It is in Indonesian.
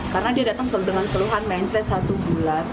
karena dia datang dengan peluhan menset satu bulan